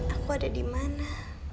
aku ada di mana